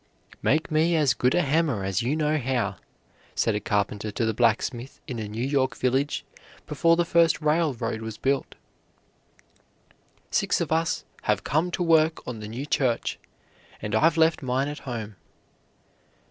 "Make me as good a hammer as you know how," said a carpenter to the blacksmith in a New York village before the first railroad was built; "six of us have come to work on the new church, and I've left mine at home."